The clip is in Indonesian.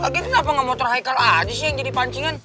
lagi kenapa enggak motor high call aja sih yang jadi pancingan